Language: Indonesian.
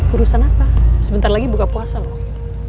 urusan apa sebentar lagi buka puasa loh